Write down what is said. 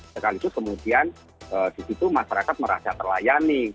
sekalian itu kemudian di situ masyarakat merasa terlayak